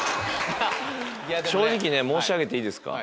正直申し上げていいですか。